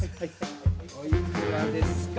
おいくらですか？